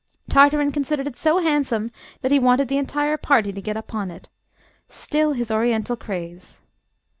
Tartarin considered it so handsome that he wanted the entire party to get upon it. Still his Oriental craze!